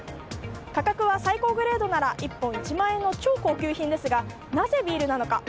価格は最高グレードなら１本１万円の超高級品ですがなぜビールなのか？